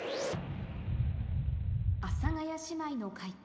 阿佐ヶ谷姉妹の解答